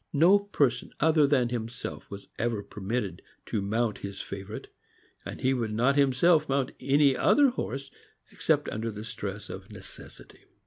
No person other than himself was ever permitted to mount his favorite, and he would not himself mount any other horse except under the stress of necessity.